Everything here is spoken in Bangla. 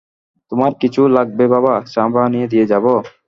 তোমার কিছু লাগবে বাবা, চা বানিয়ে দিয়ে যাব?